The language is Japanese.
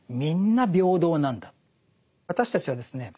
私たちはですね